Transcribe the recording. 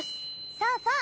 そうそう！